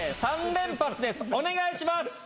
お願いします！